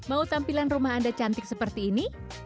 mau tampilan rumah anda cantik seperti ini